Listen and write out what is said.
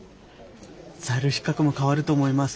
在留資格も変わると思います。